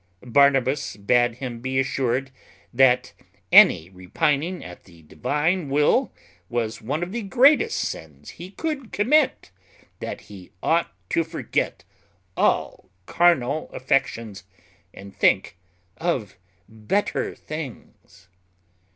Barnabas bad him be assured "that any repining at the Divine will was one of the greatest sins he could commit; that he ought to forget all carnal affections, and think of better things."